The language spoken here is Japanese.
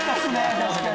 確かに。